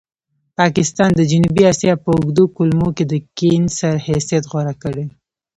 پاکستان د جنوبي اسیا په اوږدو کولمو کې د کېنسر حیثیت غوره کړی.